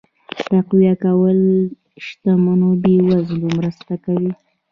تقويه کول شتمنو بې وزلو مرسته کوي.